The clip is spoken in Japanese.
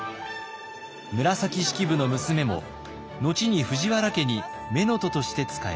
紫式部の娘も後に藤原家に乳母として仕えました。